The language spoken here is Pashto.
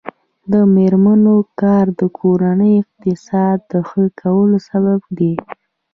د میرمنو کار د کورنۍ اقتصاد ښه کولو سبب دی.